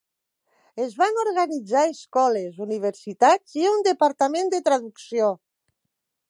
Es van organitzar escoles, universitats i un departament de traducció.